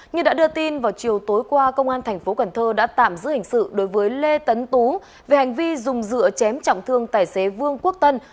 như đã đưa tin vào chiều tối qua công an tp cn đã tạm giữ hình sự đối với lê tấn tú về hành vi dùng dựa chém trọng thương tài xế vương quốc tân